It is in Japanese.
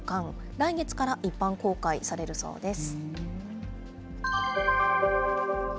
来月から一般公開されるそうです。